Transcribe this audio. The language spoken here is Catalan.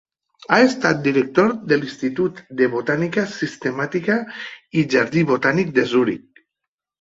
Ha estat Director de l'Institut de Botànica Sistemàtica i Jardí Botànic de Zuric.